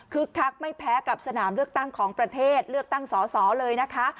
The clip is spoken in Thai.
คักไม่แพ้กับสนามเลือกตั้งของประเทศเลือกตั้งสอสอเลยนะคะ